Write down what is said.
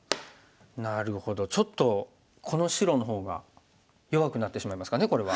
なるほどちょっとこの白の方が弱くなってしまいますかねこれは。